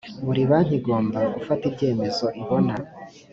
buri banki igomba gufata ibyemezo ibona